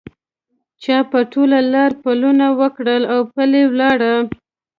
چا په ټول لاره پلونه وکرل اوپلي ولاړه